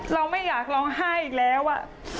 เราไม่อยากร้องไห้อีกแล้วอะ